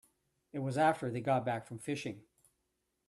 It was after they got back from fishing.